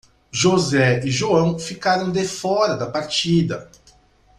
José e João ficaram de fora da partida.